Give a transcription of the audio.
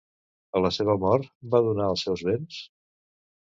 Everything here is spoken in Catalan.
A la seva mort, va donar els seus béns?